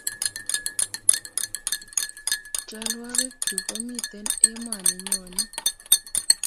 chalwogikyuk ko miten emani nyonet